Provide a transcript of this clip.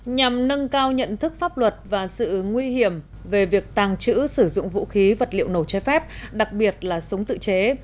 nhằm nâng cao nhận thức pháp luật và sự nguy hiểm về việc tàng trữ sử dụng vũ khí vật liệu nổ chai phép đặc biệt là súng tự chế